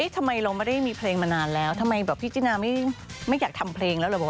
ทำไมเราไม่ได้มีเพลงมานานแล้วทำไมแบบพี่จินาไม่อยากทำเพลงแล้วเหรอ